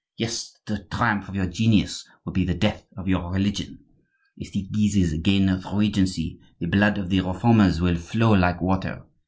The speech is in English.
Yes, the triumph of your genius will be the death of your religion. If the Guises gain the regency, the blood of the Reformers will flow like water.